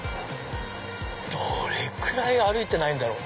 どれくらい歩いてないんだろう？